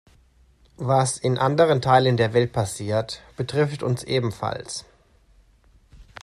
Was in anderen Teilen der Welt passiert, betrifft uns ebenfalls.